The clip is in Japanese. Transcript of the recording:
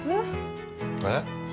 えっ？